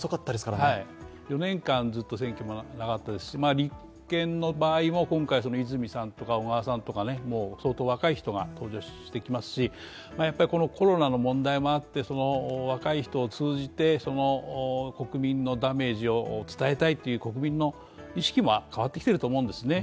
４年間ずっと選挙もなかったですし立憲の場合も今回、若い人が出てきますしコロナの問題をもって若い人を通じて国民のダメージを伝えたいという国民の意識も変わってきていると思うんですね。